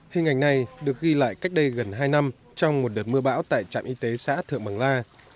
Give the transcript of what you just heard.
hình ảnh này được ghi lại cách đây gần hai năm trong một đợt mưa bão tại trạm y tế xã thượng bằng la